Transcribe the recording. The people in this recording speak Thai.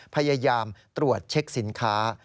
พยายามตรวจเช็คสินค้า